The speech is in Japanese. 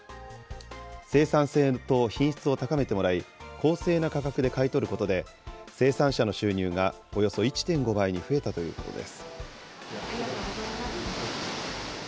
生産性と品質を高めてもらい、公正な価格で買い取ることで、生産者の収入がおよそ１．５倍に増えたということです。